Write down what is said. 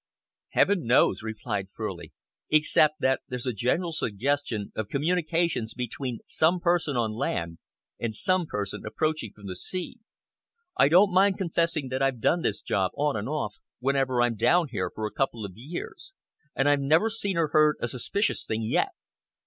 "Heaven knows," replied Furley, "except that there's a general suggestion of communications between some person on land and some person approaching from the sea. I don't mind confessing that I've done this job, on and off, whenever I've been down here, for a couple of years, and I've never seen or heard a suspicious thing yet.